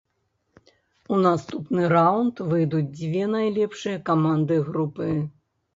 У наступны раўнд выйдуць дзве найлепшыя каманды групы.